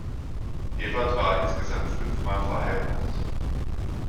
Everth war insgesamt fünfmal verheiratet.